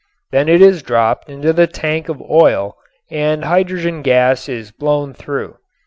Then it is dropped into the tank of oil and hydrogen gas is blown through.